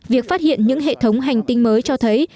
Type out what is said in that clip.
việc phát hiện những hệ thống hành tinh mới cho thấy